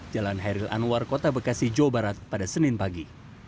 jalan heril anwar kota bekasi jawa barat pada senin pagi